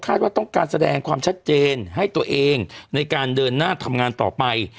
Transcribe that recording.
ว่าต้องการแสดงความชัดเจนให้ตัวเองในการเดินหน้าทำงานต่อไป